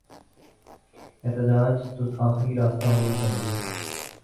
احتجاج تو آخری راستہ ہونا چاہیے۔